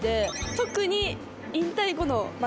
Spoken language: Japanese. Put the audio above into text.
特に。